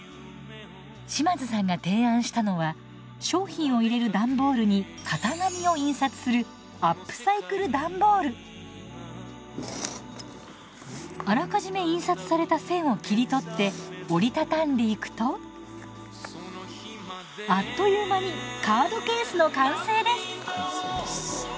島津さんが提案したのは商品を入れる段ボールに型紙を印刷するあらかじめ印刷された線を切り取って折り畳んでいくとあっという間にカードケースの完成です！